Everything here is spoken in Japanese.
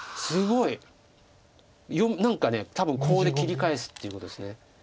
すごい！何か多分コウで切り返すっていうことです。